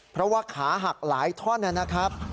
เพราะว่าขาหักหลายท่อนนะครับ